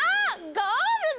ゴールド！